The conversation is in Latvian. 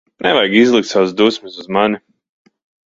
Nevajag izlikt savas dusmas uz mani.